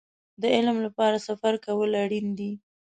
د علم لپاره سفر کول اړين دی.